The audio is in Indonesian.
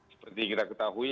seperti kita ketahui